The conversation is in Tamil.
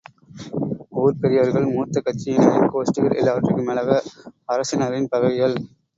ஊர்ப் பெரியவர்கள், மூத்த கட்சியினரின் கோஷ்டிகள், எல்லாவற்றுக்கும் மேலாக அரசினரின் பகைகள்.